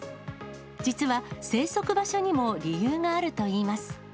実は、生息場所にも理由があるといいます。